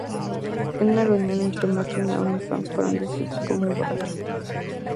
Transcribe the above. En una reunión entre Matthew y Naomi, Frank fue descrito como "un borracho".